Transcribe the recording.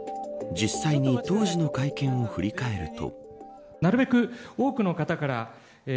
実際に当時の会見を振り返ると。